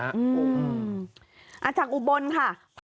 อืมอาจากอุบลค่ะ